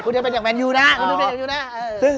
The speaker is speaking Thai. คุณจะเป็นอย่างแฟนอยู่นะ